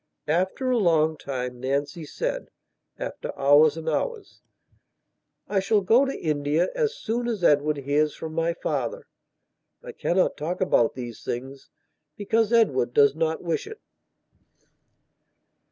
After a long time Nancy saidafter hours and hours: "I shall go to India as soon as Edward hears from my father. I cannot talk about these things, because Edward does not wish it."